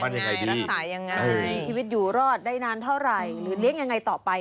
ลักษายังไงชีวิตอยู่รอดได้นานเท่าไรหรือเรียกยังไงต่อไป